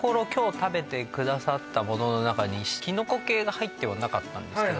食べてくださったものの中にキノコ系が入ってはなかったんですけど